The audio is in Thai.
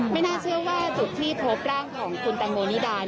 ไม่น่าเชื่อว่าจุดที่พบร่างของคุณแตงโมนิดา